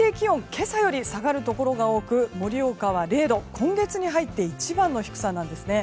今朝より下がるところが多く盛岡は０度、今月に入って一番の低さなんですね。